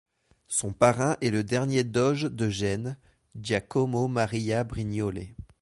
Son parrain est le dernier doge de Gênes, Giacomo Maria Brignole.